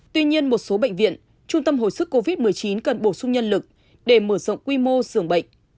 tuy nhiên một số bệnh viện trung tâm hồi sức covid một mươi chín cần bổ sung nhân lực để mở rộng quy mô sưởng bệnh